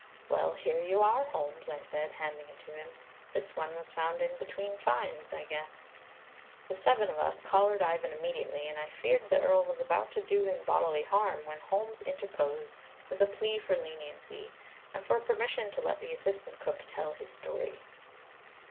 "Well, here you are, Holmes," I said, handing it to him. "This one was found in between finds, I guess." The seven of us collared Ivan immediately, and I feared the Earl was about to do him bodily harm, when Holmes interposed with a plea for leniency, and for permission to let the assistant cook tell his story.